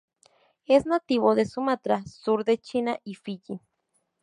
Es nativo de Sumatra, sur de China y Fiyi.